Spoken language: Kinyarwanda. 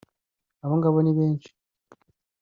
abongabo ni benshi